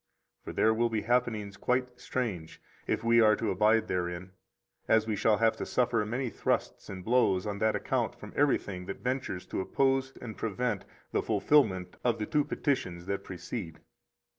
For there will be happenings quite strange if we are to abide therein, as we shall have to suffer many thrusts and blows on that account from everything that ventures to oppose and prevent the fulfilment of the two petitions that precede.